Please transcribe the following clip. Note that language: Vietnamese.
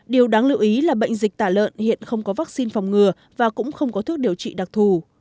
điều đáng lưu ý là bệnh dịch tả lợn hiện không có vaccine phòng ngừa và cũng không có thuốc điều trị đặc thù